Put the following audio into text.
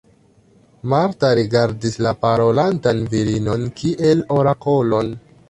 Marta rigardis la parolantan virinon kiel orakolon.